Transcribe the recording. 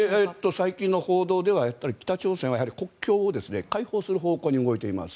最近の報道では北朝鮮は国境を開放する方向に動いています。